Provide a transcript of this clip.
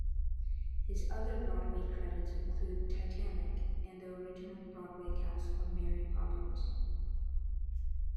His other Broadway credits include "Titanic" and the original Broadway cast of "Mary Poppins".